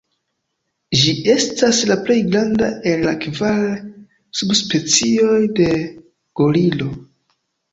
Ĝi estas la plej granda el la kvar subspecioj de gorilo.